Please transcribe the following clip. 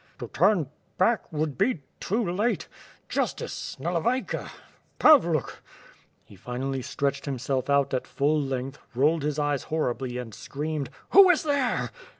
To turn ba^ck .. would be too late ... justice .. Nalevayka ... Pavluk ..." He finally stretched himself out at full length, rolled his eves horribly and screamed: "Who is there?"